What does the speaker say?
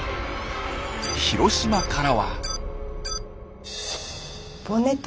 広島からは。